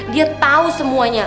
dia tahu semuanya